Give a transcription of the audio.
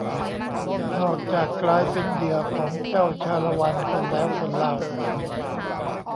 นอกจากกลายเป็นเหยื่อของเจ้าชาละวันคนแล้วคนเล่า